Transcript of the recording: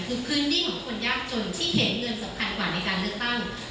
คือพื้นที่ของคนยากจนที่เห็นเงินสำคัญกว่าในการเลือกตั้ง